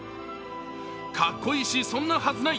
かっこいいし、そんなはずない！